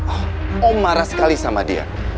oh om marah sekali sama dia